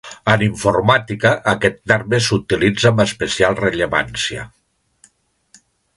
En informàtica aquest terme s'utilitza amb especial rellevància.